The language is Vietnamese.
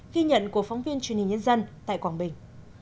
ghi nhận của phóng viên truyền hình nhân dân tại quảng bình